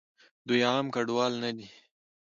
دوئ عام کډوال نه دي.